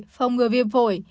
phòng ngừa viêm phổi